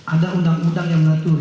ada undang undang yang mengatur